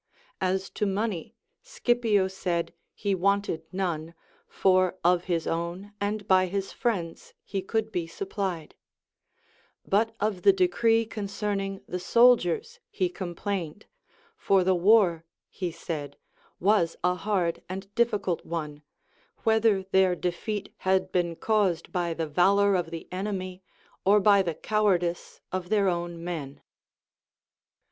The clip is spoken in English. As to money, Scipio said he Avanted none, for of his own and by his friends he could be supplied ; but of the decree concerning the soldiers he complained, for the war (he said) Avas a hard and difficult one, Avhether their defeat had been caused by the valor of the enemy or by the cowardice of their own men.